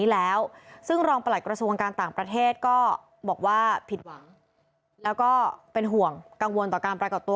แล้วก็เป็นห่วงกังวลต่อการปรากฏตัว